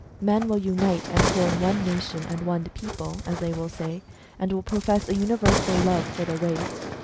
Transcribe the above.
Men will unite and form one nation and one people (as they will say), and will profess a universal love for the race.